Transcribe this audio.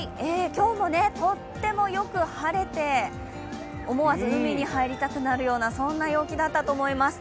今日もとってもよく晴れて、思わず海に入りたくなるような、そんな陽気だったと思います。